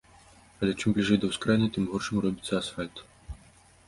Але чым бліжэй да ўскраіны, тым горшым робіцца асфальт.